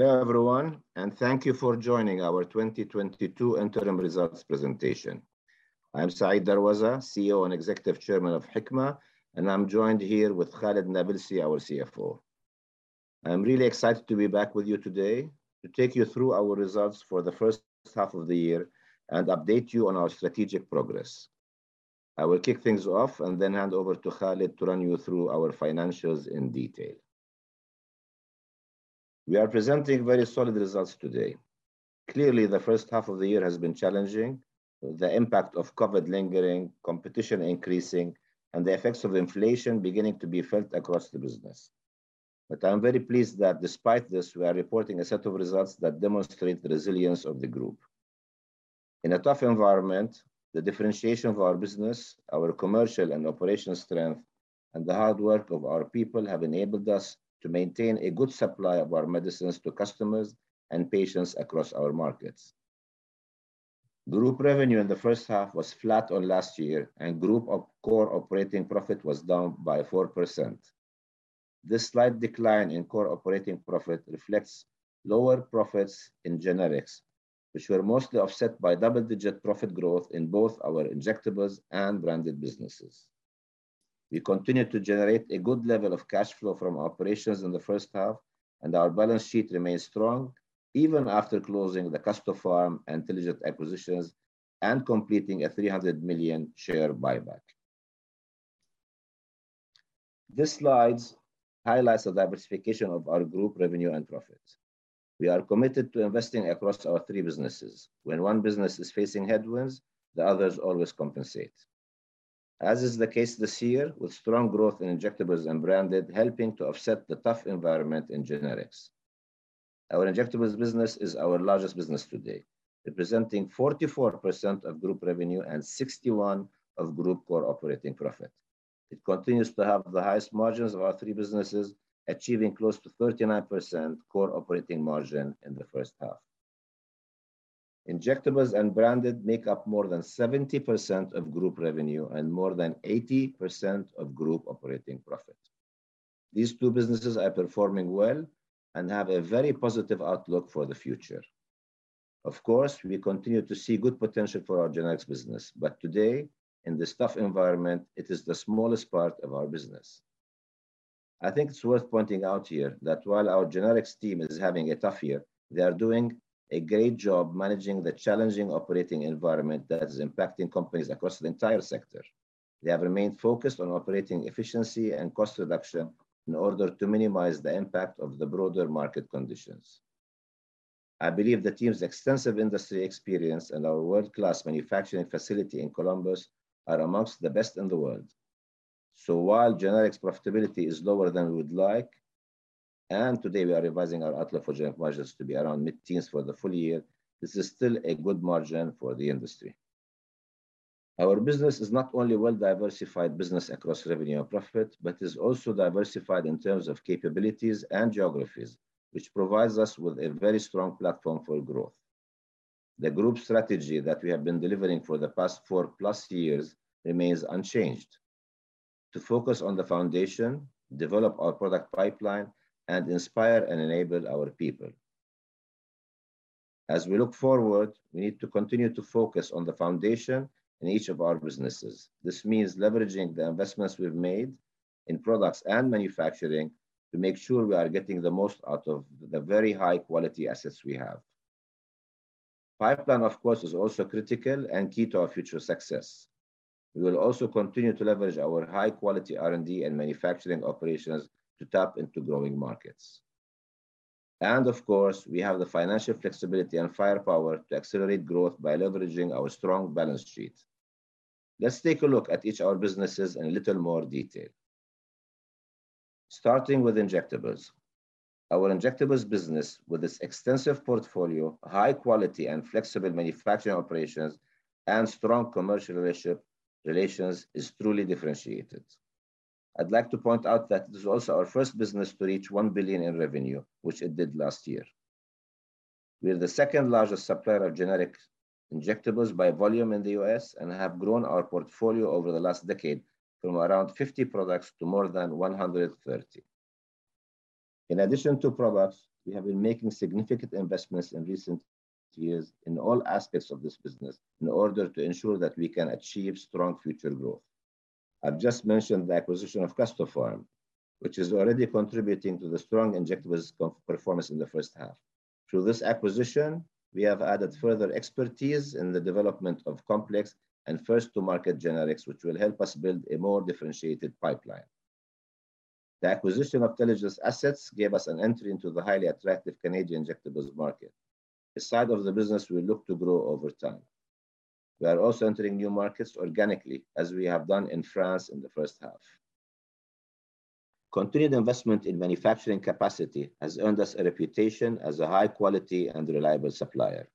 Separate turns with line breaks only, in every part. Hello, everyone, and thank you for joining our 2022 interim results presentation. I'm Said Darwazah, CEO and Executive Chairman of Hikma, and I'm joined here with Khalid Nabilsi, our CFO. I'm really excited to be back with you today to take you through our results for the first half of the year and update you on our strategic progress. I will kick things off and then hand over to Khalid to run you through our financials in detail. We are presenting very solid results today. Clearly, the first half of the year has been challenging, with the impact of COVID lingering, and competition increasing, and the effects of inflation beginning to be felt across the business. I'm very pleased that despite this, we are reporting a set of results that demonstrate the resilience of the group. In a tough environment, the differentiation of our business, our commercial and operational strength, and the hard work of our people have enabled us to maintain a good supply of our medicines to customers and patients across our markets. Group revenue in the first half was flat on last year, and group core operating profit was down by 4%. This slight decline in core operating profit reflects lower profits in generics, which were mostly offset by double-digit profit growth in both our injectables and branded businesses. We continued to generate a good level of cash flow from operations in the first half, and our balance sheet remains strong even after closing the Custopharm and Teligent acquisitions and completing a $300 million share buyback. This slide highlights the diversification of our group revenue and profit. We are committed to investing across our three businesses. When one business is facing headwinds, the others always compensate. As is the case this year, with strong growth in injectables and branded helping to offset the tough environment in generics. Our injectables business is our largest business today, representing 44% of group revenue and 61% of group core operating profit. It continues to have the highest margins of our three businesses, achieving close to 39% core operating margin in the first half. Injectables and branded make up more than 70% of group revenue and more than 80% of group operating profit. These two businesses are performing well and have a very positive outlook for the future. Of course, we continue to see good potential for our generics business, but today, in this tough environment, it is the smallest part of our business. I think it's worth pointing out here that while our generics team is having a tough year, they are doing a great job managing the challenging operating environment that is impacting companies across the entire sector. They have remained focused on operating efficiency and cost reduction in order to minimize the impact of the broader market conditions. I believe the team's extensive industry experience and our world-class manufacturing facility in Columbus are among the best in the world. While generics profitability is lower than we would like, and today we are revising our outlook for generic margins to be around mid-teens for the full year, this is still a good margin for the industry. Our business is not only well-diversified business across revenue and profit but is also diversified in terms of capabilities and geographies, which provides us with a very strong platform for growth. The group strategy that we have been delivering for the past 4+ years remains unchanged. To focus on the foundation, develop our product pipeline, and inspire and enable our people. As we look forward, we need to continue to focus on the foundation in each of our businesses. This means leveraging the investments we've made in products and manufacturing to make sure we are getting the most out of the very high-quality assets we have. Pipeline, of course, is also critical and key to our future success. We will also continue to leverage our high-quality R&D and manufacturing operations to tap into growing markets. Of course, we have the financial flexibility and firepower to accelerate growth by leveraging our strong balance sheet. Let's take a look at each of our businesses in a little more detail. Starting with injectables. Our injectables business, with its extensive portfolio, high quality and flexible manufacturing operations, and strong commercial relations, is truly differentiated. I'd like to point out that this is also our first business to reach $1 billion in revenue, which it did last year. We are the second-largest supplier of generic injectables by volume in the U.S. and have grown our portfolio over the last decade from around 50 products to more than 130. In addition to products, we have been making significant investments in recent years in all aspects of this business in order to ensure that we can achieve strong future growth. I've just mentioned the acquisition of Custopharm, which is already contributing to the strong injectables performance in the first half. Through this acquisition, we have added further expertise in the development of complex and first-to-market generics, which will help us build a more differentiated pipeline. The acquisition of Teligent's assets gave us an entry into the highly attractive Canadian injectables market, a side of the business we look to grow over time. We are also entering new markets organically, as we have done in France in the first half. Continued investment in manufacturing capacity has earned us a reputation as a high-quality and reliable supplier,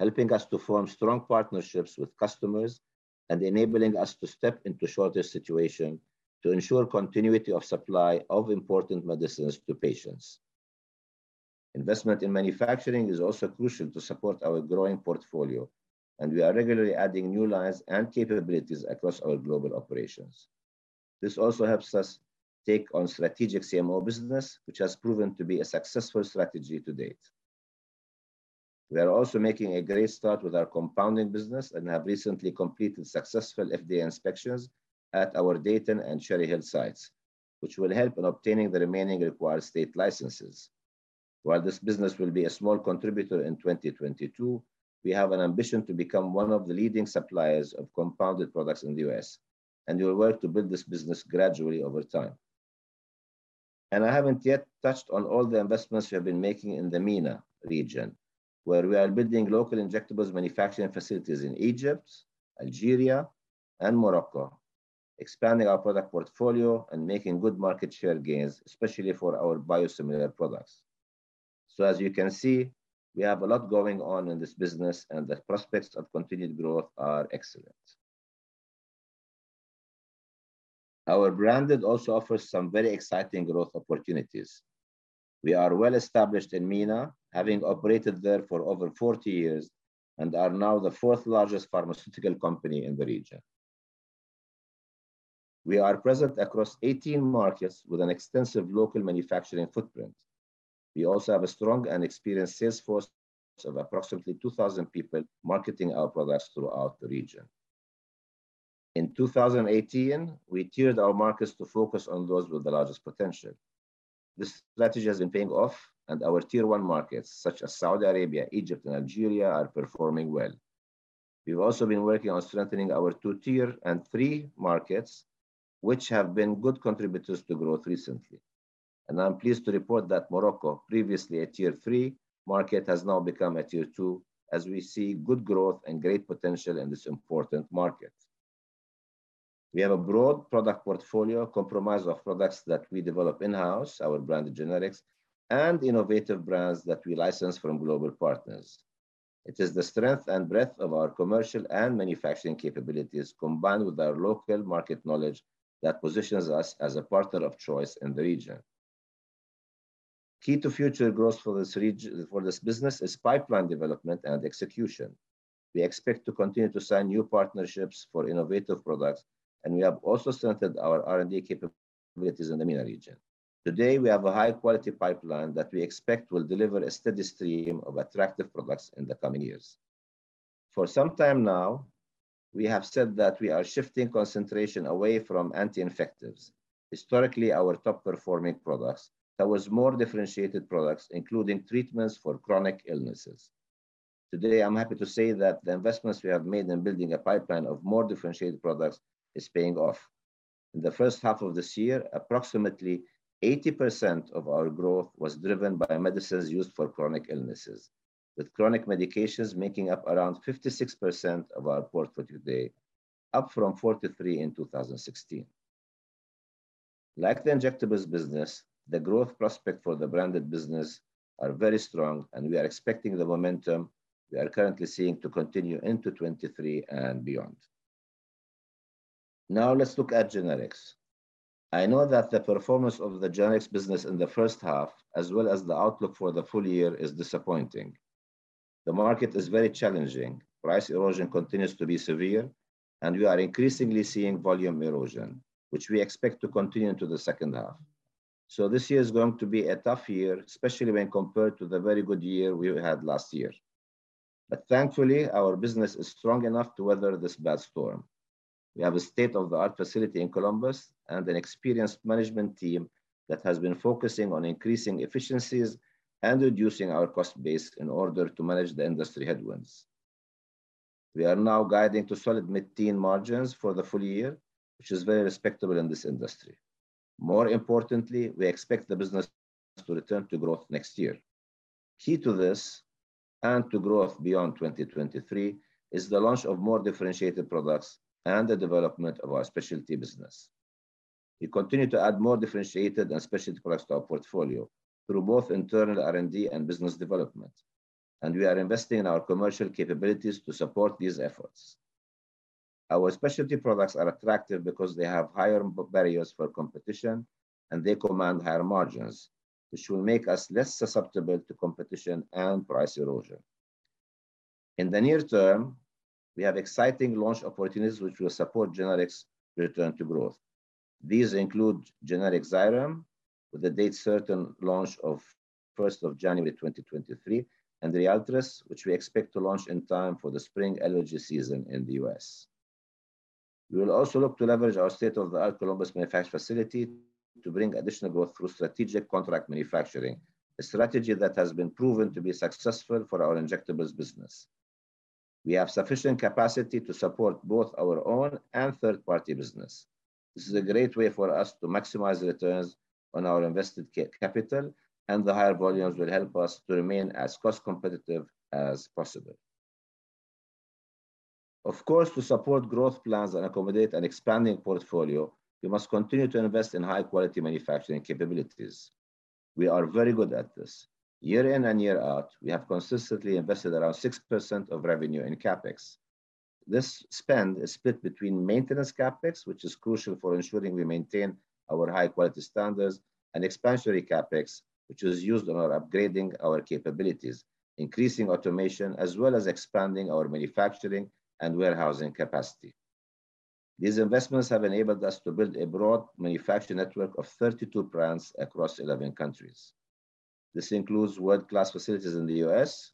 helping us to form strong partnerships with customers and enabling us to step into shortage situation to ensure continuity of supply of important medicines to patients. Investment in manufacturing is also crucial to support our growing portfolio, and we are regularly adding new lines and capabilities across our global operations. This also helps us take on strategic CMO business, which has proven to be a successful strategy to date. We are also making a great start with our compounding business and have recently completed successful FDA inspections at our Dayton and Cherry Hill sites, which will help in obtaining the remaining required state licenses. While this business will be a small contributor in 2022, we have an ambition to become one of the leading suppliers of compounded products in the U.S., and we will work to build this business gradually over time. I haven't yet touched on all the investments we have been making in the MENA region, where we are building local injectables manufacturing facilities in Egypt, Algeria, and Morocco, expanding our product portfolio and making good market share gains, especially for our biosimilar products. As you can see, we have a lot going on in this business, and the prospects of continued growth are excellent. Our branded also offers some very exciting growth opportunities. We are well established in MENA, having operated there for over 40 years, and are now the fourth-largest pharmaceutical company in the region. We are present across 18 markets with an extensive local manufacturing footprint. We also have a strong and experienced sales force of approximately 2,000 people marketing our products throughout the region. In 2018, we tiered our markets to focus on those with the largest potential. This strategy has been paying off, and our tier-one markets, such as Saudi Arabia, Egypt, and Algeria, are performing well. We've also been working on strengthening our two-tier and three markets, which have been good contributors to growth recently. I'm pleased to report that Morocco, previously a tier-three market, has now become a tier two as we see good growth and great potential in this important market. We have a broad product portfolio comprised of products that we develop in-house, our branded generics, and innovative brands that we license from global partners. It is the strength and breadth of our commercial and manufacturing capabilities, combined with our local market knowledge, that positions us as a partner of choice in the region. Key to future growth for this business is pipeline development and execution. We expect to continue to sign new partnerships for innovative products, and we have also strengthened our R&D capabilities in the MENA region. Today, we have a high-quality pipeline that we expect will deliver a steady stream of attractive products in the coming years. For some time now, we have said that we are shifting concentration away from anti-infectives, historically our top-performing products, towards more differentiated products, including treatments for chronic illnesses. Today, I'm happy to say that the investments we have made in building a pipeline of more differentiated products is paying off. In the first half of this year, approximately 80% of our growth was driven by medicines used for chronic illnesses, with chronic medications making up around 56% of our portfolio today, up from 43 in 2016. Like the injectables business, the growth prospect for the branded business are very strong, and we are expecting the momentum we are currently seeing to continue into 2023 and beyond. Now let's look at generics. I know that the performance of the generics business in the first half, as well as the outlook for the full year, is disappointing. The market is very challenging. Price erosion continues to be severe, and we are increasingly seeing volume erosion, which we expect to continue into the second half. This year is going to be a tough year, especially when compared to the very good year we had last year. Thankfully, our business is strong enough to weather this bad storm. We have a state-of-the-art facility in Columbus and an experienced management team that has been focusing on increasing efficiencies and reducing our cost base in order to manage the industry headwinds. We are now guiding to solid mid-teen margins for the full year, which is very respectable in this industry. More importantly, we expect the business to return to growth next year. Key to this, and to growth beyond 2023, is the launch of more differentiated products and the development of our specialty business. We continue to add more differentiated and specialty products to our portfolio through both internal R&D and business development, and we are investing in our commercial capabilities to support these efforts. Our specialty products are attractive because they have higher barriers for competition and they command higher margins, which will make us less susceptible to competition and price erosion. In the near term, we have exciting launch opportunities which will support generics' return to growth. These include generic Xyrem, with a date-certain launch of January 1, 2023, and Ryaltris, which we expect to launch in time for the spring allergy season in the U.S. We will also look to leverage our state-of-the-art Columbus manufacturing facility to bring additional growth through strategic contract manufacturing, a strategy that has been proven to be successful for our injectables business. We have sufficient capacity to support both our own and third-party business. This is a great way for us to maximize returns on our invested capital, and the higher volumes will help us to remain as cost competitive as possible. Of course, to support growth plans and accommodate an expanding portfolio, we must continue to invest in high-quality manufacturing capabilities. We are very good at this. Year in and year out, we have consistently invested around 6% of revenue in CapEx. This spend is split between maintenance CapEx, which is crucial for ensuring we maintain our high-quality standards, and expansionary CapEx, which is used for upgrading our capabilities, increasing automation, as well as expanding our manufacturing and warehousing capacity. These investments have enabled us to build a broad manufacturing network of 32 brands across 11 countries. This includes world-class facilities in the U.S.,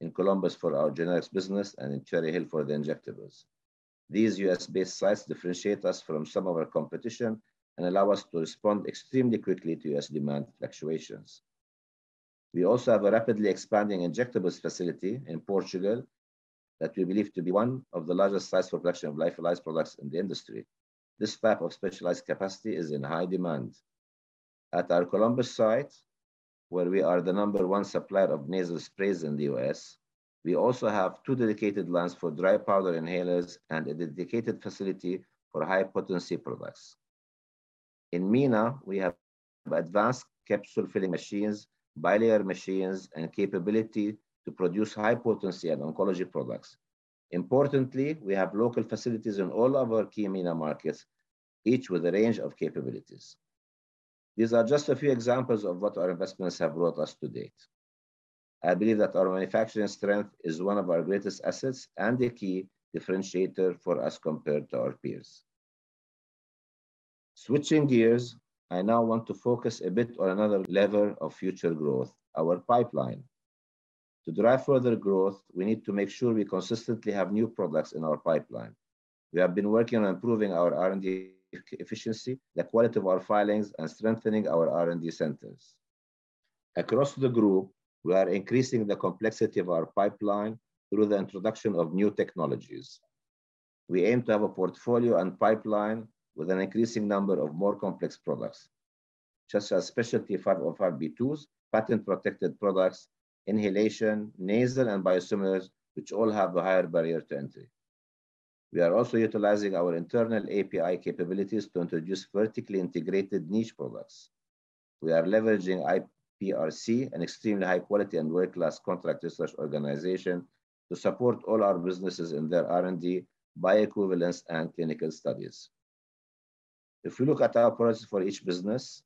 in Columbus for our Generics business and in Cherry Hill for the Injectables. These U.S.-based sites differentiate us from some of our competition and allow us to respond extremely quickly to U.S. demand fluctuations. We also have a rapidly expanding injectables facility in Portugal that we believe to be one of the largest sites for production of lyophilized products in the industry. This type of specialized capacity is in high demand. At our Columbus site, where we are the number one supplier of nasal sprays in the U.S., we also have two dedicated lines for dry powder inhalers and a dedicated facility for high-potency products. In MENA, we have advanced capsule filling machines, bilayer machines, and capability to produce high-potency and oncology products. Importantly, we have local facilities in all of our key MENA markets, each with a range of capabilities. These are just a few examples of what our investments have brought us to date. I believe that our manufacturing strength is one of our greatest assets and a key differentiator for us compared to our peers. Switching gears, I now want to focus a bit on another lever of future growth, our pipeline. To drive further growth, we need to make sure we consistently have new products in our pipeline. We have been working on improving our R&D efficiency, the quality of our filings, and strengthening our R&D centers. Across the group, we are increasing the complexity of our pipeline through the introduction of new technologies. We aim to have a portfolio and pipeline with an increasing number of more complex products, such as specialty 505(b)(2)s, patent-protected products, inhalation, nasal, and biosimilars, which all have a higher barrier to entry. We are also utilizing our internal API capabilities to introduce vertically integrated niche products. We are leveraging IPRC, an extremely high-quality and world-class contract research organization, to support all our businesses in their R&D, bioequivalence, and clinical studies. If you look at our priorities for each business,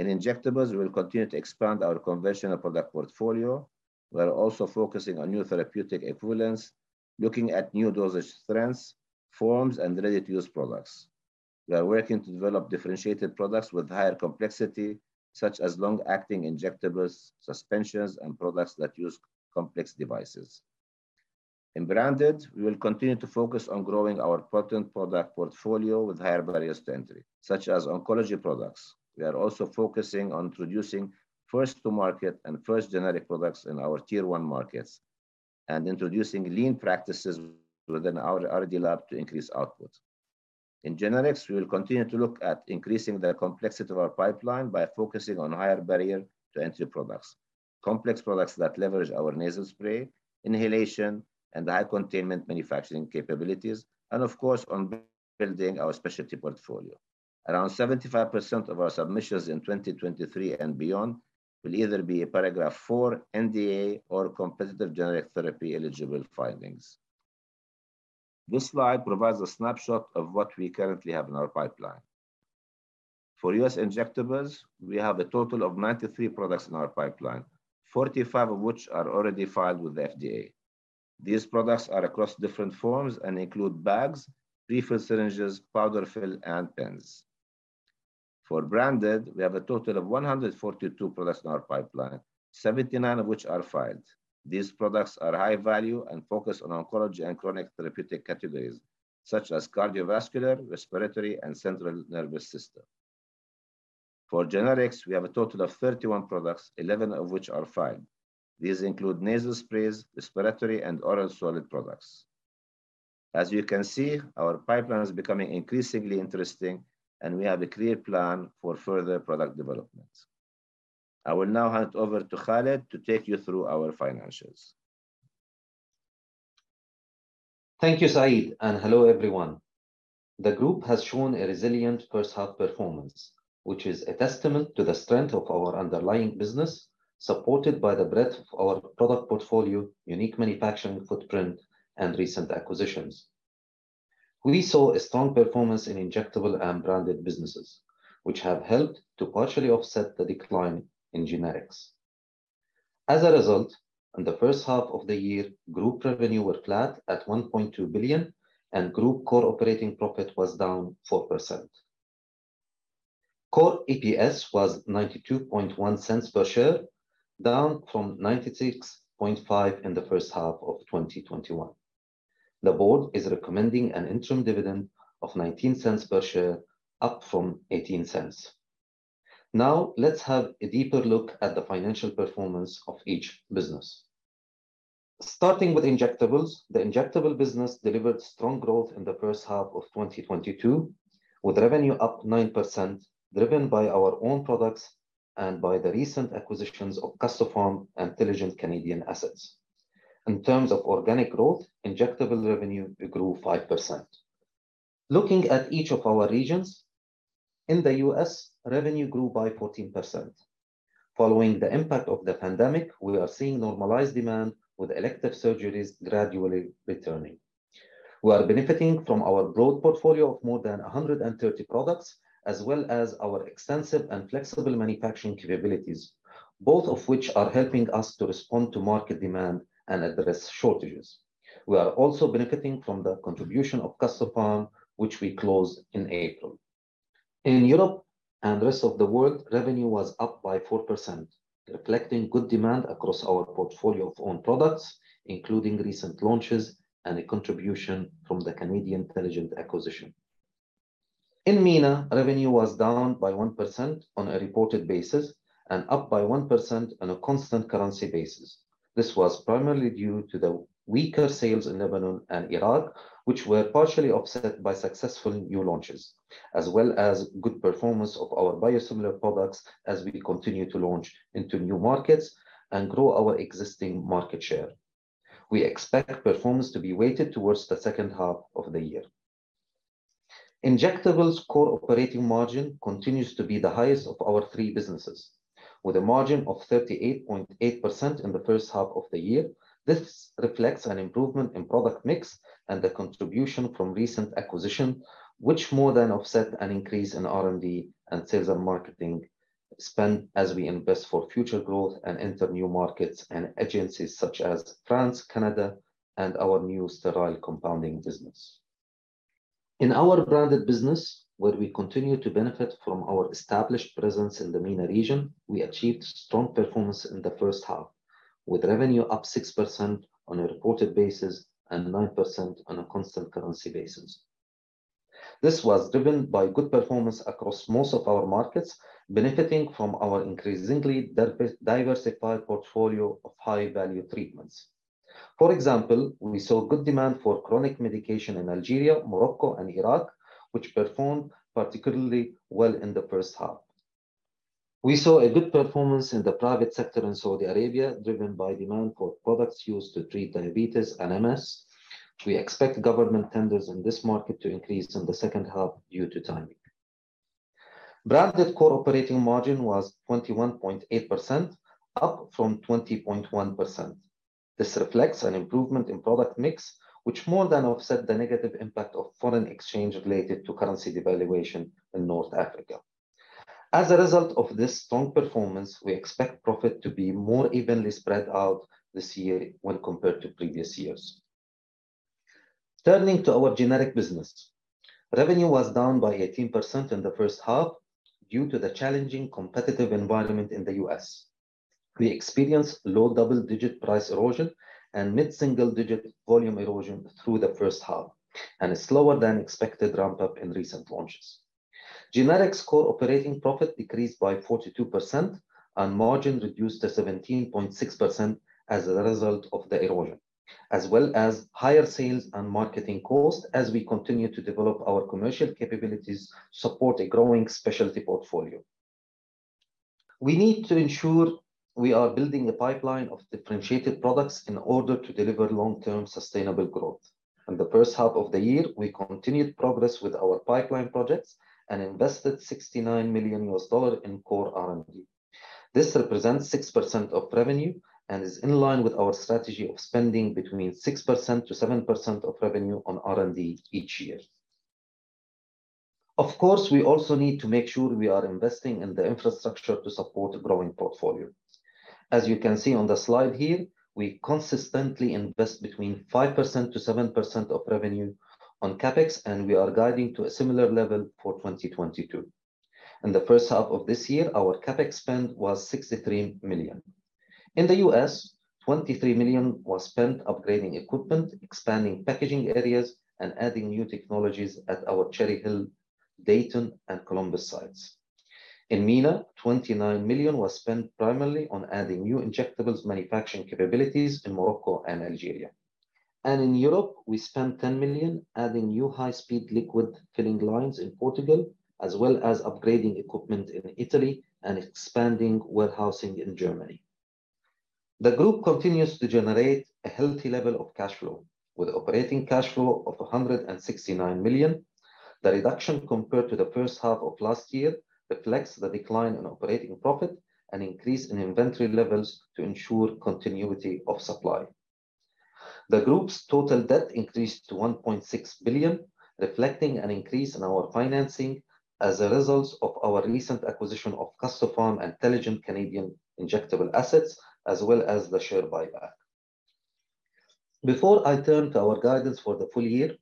in Injectables, we will continue to expand our conventional product portfolio. We're also focusing on new therapeutic equivalents, looking at new dosage strengths, forms, and ready-to-use products. We are working to develop differentiated products with higher complexity, such as long-acting injectables, suspensions, and products that use complex devices. In Branded, we will continue to focus on growing our potent product portfolio with higher barriers to entry, such as oncology products. We are also focusing on introducing first-to-market and first generic products in our tier-one markets and introducing lean practices within our R&D lab to increase output. In Generics, we will continue to look at increasing the complexity of our pipeline by focusing on higher barrier-to-entry products, complex products that leverage our nasal spray, inhalation, and high-containment manufacturing capabilities, and of course, on building our specialty portfolio. Around 75% of our submissions in 2023 and beyond will either be a Paragraph IV ANDA or competitive generic therapy-eligible filings. This slide provides a snapshot of what we currently have in our pipeline. For U.S. Injectables, we have a total of 93 products in our pipeline, 45 of which are already filed with the FDA. These products are across different forms and include bags, pre-filled syringes, powder fill, and pens. For Branded, we have a total of 142 products in our pipeline, 79 of which are filed. These products are high value and focus on oncology and chronic therapeutic categories such as cardiovascular, respiratory, and central nervous system. For Generics, we have a total of 31 products, 11 of which are filed. These include nasal sprays, respiratory, and oral solid products. As you can see, our pipeline is becoming increasingly interesting, and we have a clear plan for further product development. I will now hand over to Khalid to take you through our financials.
Thank you, Said, and hello, everyone. The group has shown a resilient first half performance, which is a testament to the strength of our underlying business, supported by the breadth of our product portfolio, unique manufacturing footprint, and recent acquisitions. We saw a strong performance in Injectables and Branded businesses, which have helped to partially offset the decline in Generics. As a result, in the first half of the year, group revenue was flat at $1.2 billion, and group core operating profit was down 4%. Core EPS was $0.921 per share, down from $0.965 in the first half of 2021. The board is recommending an interim dividend of $0.19 per share, up from $0.18. Now, let's have a deeper look at the financial performance of each business. Starting with Injectables, the Injectable business delivered strong growth in the first half of 2022, with revenue up 9%, driven by our own products and by the recent acquisitions of Custopharm and Teligent Canadian assets. In terms of organic growth, Injectable revenue grew 5%. Looking at each of our regions, in the U.S., revenue grew by 14%. Following the impact of the pandemic, we are seeing normalized demand with elective surgeries gradually returning. We are benefiting from our broad portfolio of more than 130 products, as well as our extensive and flexible manufacturing capabilities, both of which are helping us to respond to market demand and address shortages. We are also benefiting from the contribution of Custopharm, which we closed in April. In Europe and the rest of the world, revenue was up by 4%, reflecting good demand across our portfolio of own products, including recent launches and a contribution from the Canadian Teligent acquisition. In MENA, revenue was down by 1% on a reported basis and up by 1% on a constant currency basis. This was primarily due to the weaker sales in Lebanon and Iraq, which were partially offset by successful new launches, as well as good performance of our biosimilar products as we continue to launch into new markets and grow our existing market share. We expect performance to be weighted towards the second half of the year. Injectables core operating margin continues to be the highest of our three businesses, with a margin of 38.8% in the first half of the year. This reflects an improvement in product mix and the contribution from recent acquisition, which more than offset an increase in R&D and sales and marketing spend as we invest for future growth and enter new markets and geographies such as France, Canada and our new sterile compounding business. In our Branded business, where we continue to benefit from our established presence in the MENA region, we achieved strong performance in the first half, with revenue up 6% on a reported basis and 9% on a constant currency basis. This was driven by good performance across most of our markets, benefiting from our increasingly diversified portfolio of high-value treatments. For example, we saw good demand for chronic medication in Algeria, Morocco and Iraq, which performed particularly well in the first half. We saw a good performance in the private sector in Saudi Arabia, driven by demand for products used to treat diabetes and MS. We expect government tenders in this market to increase in the second half due to timing. Branded core operating margin was 21.8%, up from 20.1%. This reflects an improvement in product mix, which more than offset the negative impact of foreign exchange related to currency devaluation in North Africa. As a result of this strong performance, we expect profit to be more evenly spread out this year when compared to previous years. Turning to our Generic business. Revenue was down by 18% in the first half due to the challenging competitive environment in the U.S. We experienced low double-digit price erosion and mid-single digit volume erosion through the first half, and a slower than expected ramp-up in recent launches. Generics core operating profit decreased by 42% and margin reduced to 17.6% as a result of the erosion, as well as higher sales and marketing costs as we continue to develop our commercial capabilities to support a growing specialty portfolio. We need to ensure we are building a pipeline of differentiated products in order to deliver long-term sustainable growth. In the first half of the year, we continued progress with our pipeline projects and invested $69 million in core R&D. This represents 6% of revenue and is in line with our strategy of spending between 6%-7% of revenue on R&D each year. Of course, we also need to make sure we are investing in the infrastructure to support a growing portfolio. As you can see on the slide here, we consistently invest between 5%-7% of revenue on CapEx, and we are guiding to a similar level for 2022. In the first half of this year, our CapEx spend was $63 million. In the U.S., $23 million was spent upgrading equipment, expanding packaging areas, and adding new technologies at our Cherry Hill, Dayton and Columbus sites. In MENA, $29 million was spent primarily on adding new injectables manufacturing capabilities in Morocco and Algeria. In Europe, we spent $10 million adding new high-speed liquid filling lines in Portugal, as well as upgrading equipment in Italy and expanding warehousing in Germany. The group continues to generate a healthy level of cash flow, with operating cash flow of $169 million. The reduction compared to the first half of last year reflects the decline in operating profit and increase in inventory levels to ensure continuity of supply. The group's total debt increased to $1.6 billion, reflecting an increase in our financing as a result of our recent acquisition of Custopharm and Teligent Canadian injectable assets, as well as the share buyback. Before I turn to our guidance for the full year,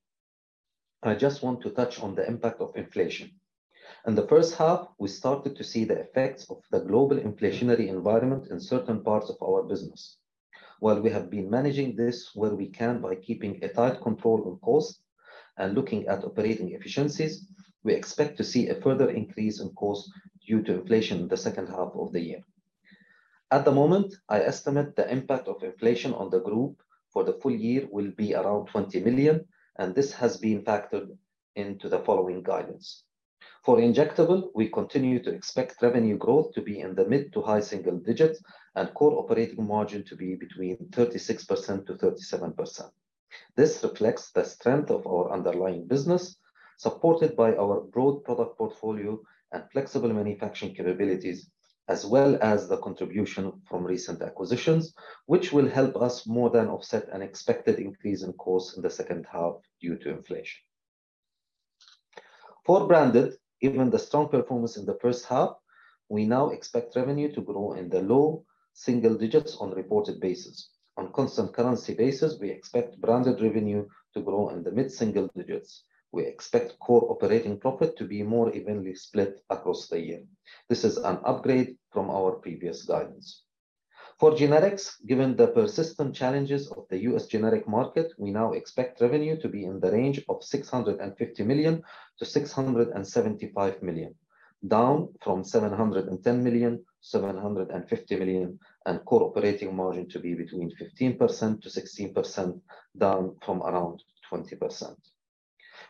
I just want to touch on the impact of inflation. In the first half, we started to see the effects of the global inflationary environment in certain parts of our business. While we have been managing this where we can by keeping a tight control on cost and looking at operating efficiencies, we expect to see a further increase in cost due to inflation in the second half of the year. At the moment, I estimate the impact of inflation on the group for the full year will be around $20 million, and this has been factored into the following guidance. For Injectables, we continue to expect revenue growth to be in the mid- to high-single digits and core operating margin to be between 36%-37%. This reflects the strength of our underlying business, supported by our broad product portfolio and flexible manufacturing capabilities, as well as the contribution from recent acquisitions, which will help us more than offset an expected increase in cost in the second half due to inflation. For Branded, given the strong performance in the first half, we now expect revenue to grow in the low single digits on a reported basis. On constant currency basis, we expect Branded revenue to grow in the mid single digits. We expect core operating profit to be more evenly split across the year. This is an upgrade from our previous guidance. For generics, given the persistent challenges of the U.S. generic market, we now expect revenue to be in the range of $650 million-$675 million, down from $710 million-$750 million, and core operating margin to be between 15%-16%, down from around 20%.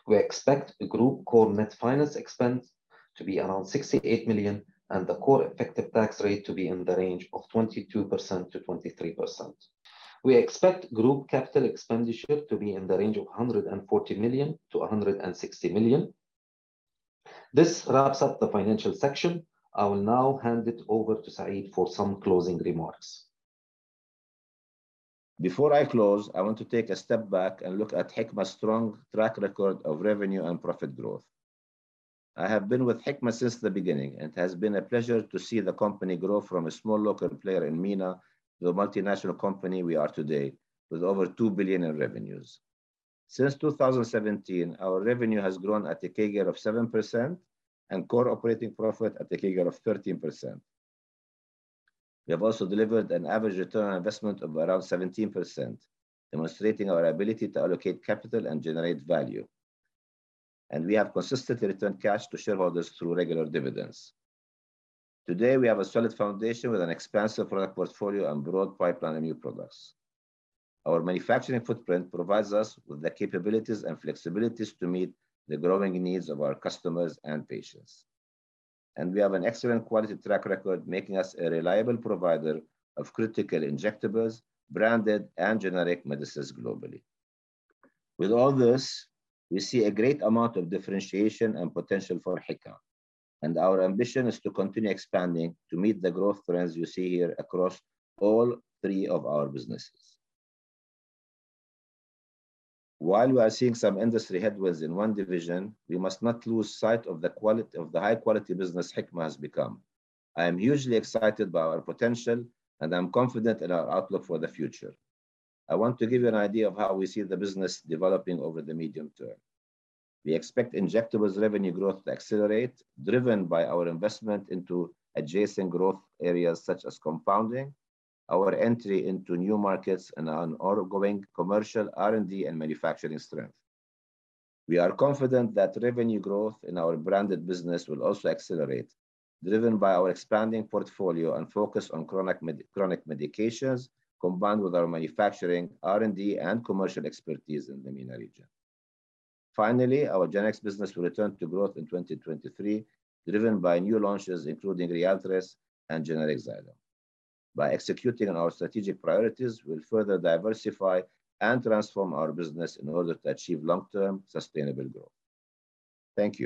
We expect the group core net finance expense to be around $68 million, and the core effective tax rate to be in the range of 22%-23%. We expect group capital expenditure to be in the range of $140 million-$160 million. This wraps up the financial section. I will now hand it over to Said for some closing remarks.
Before I close, I want to take a step back and look at Hikma's strong track record of revenue and profit growth. I have been with Hikma since the beginning, and it has been a pleasure to see the company grow from a small local player in MENA to a multinational company we are today, with over $2 billion in revenues. Since 2017, our revenue has grown at a CAGR of 7% and core operating profit at a CAGR of 13%. We have also delivered an average return on investment of around 17%, demonstrating our ability to allocate capital and generate value. We have consistently returned cash to shareholders through regular dividends. Today, we have a solid foundation with an expansive product portfolio and broad pipeline of new products. Our manufacturing footprint provides us with the capabilities and flexibilities to meet the growing needs of our customers and patients. We have an excellent quality track record, making us a reliable provider of critical injectables, branded and generic medicines globally. With all this, we see a great amount of differentiation and potential for Hikma, and our ambition is to continue expanding to meet the growth trends you see here across all three of our businesses. While we are seeing some industry headwinds in one division, we must not lose sight of the high quality business Hikma has become. I am hugely excited by our potential, and I'm confident in our outlook for the future. I want to give you an idea of how we see the business developing over the medium term. We expect injectables revenue growth to accelerate, driven by our investment into adjacent growth areas such as compounding, our entry into new markets, and an ongoing commercial R&D and manufacturing strength. We are confident that revenue growth in our branded business will also accelerate, driven by our expanding portfolio and focus on chronic medications, combined with our manufacturing, R&D, and commercial expertise in the MENA region. Finally, our generics business will return to growth in 2023, driven by new launches, including Ryaltris and generic Xyrem. By executing on our strategic priorities, we'll further diversify and transform our business in order to achieve long-term sustainable growth. Thank you.